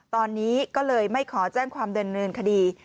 ตอนนี้ก็เลยไม่ขอแจ้งความเดินเนินคดี